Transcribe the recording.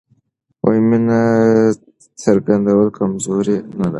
مینه څرګندول کمزوري نه ده.